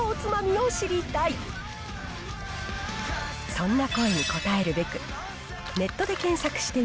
そんな声に応えるべく。